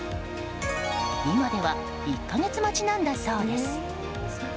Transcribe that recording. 今では１か月待ちなんだそうです。